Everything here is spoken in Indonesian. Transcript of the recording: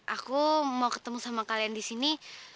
aku mau ketemu sama kalian disini